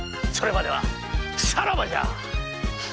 それまではさらばじゃ！